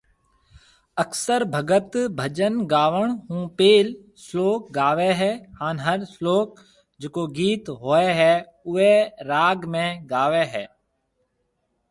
اڪثر ڀگت ڀجن گاوڻ هون پيل سلوڪ گاوي هي هان هر سلوڪ جڪو گيت هوئي هي اوئي راگ ۾ گاوي هي